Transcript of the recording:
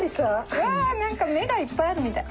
うわ何か目がいっぱいあるみたい。